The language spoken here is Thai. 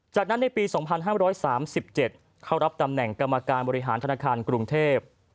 จากนั้นในปี๒๕๓๗เข้ารับตำแหน่งกรรมการบริหารธนาคารกรุงเทพ